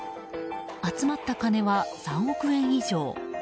集まった金は３億円以上。